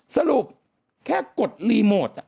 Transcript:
สรุปแค่กดรีโมท